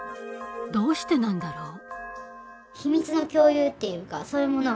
どうしてなんだろう？